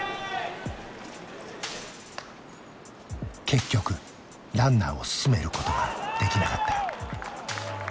結局ランナーを進めることはできなかった。